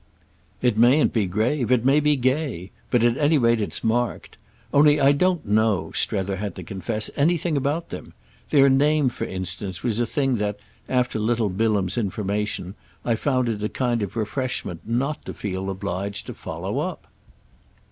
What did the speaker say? "It mayn't be grave—it may be gay. But at any rate it's marked. Only I don't know," Strether had to confess, "anything about them. Their name for instance was a thing that, after little Bilham's information, I found it a kind of refreshment not to feel obliged to follow up."